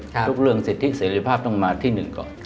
ทุกเรื่องสิทธิเสรีภาพต้องมาที่หนึ่งก่อน